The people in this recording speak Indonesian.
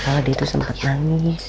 kalau dia itu sempat nangis